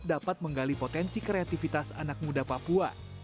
dapat menggali potensi kreativitas anak muda papua